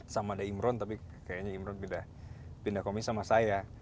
sama ada imron tapi kayaknya imron pindah komis sama saya